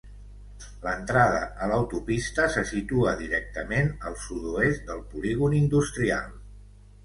L'entrada a l'autopista se situa directament al sud-oest del polígon industrial.